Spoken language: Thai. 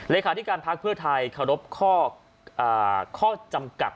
เลขาธิการภักดิ์เพื่อไทยขอรบข้อจำกัด